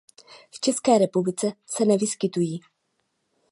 V České republice se nevyskytují.